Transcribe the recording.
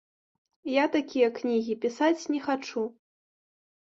Я такія кнігі пісаць не хачу.